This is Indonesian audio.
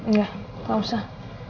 enggak gak usah